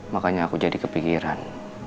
makanya aku jadi kepikiran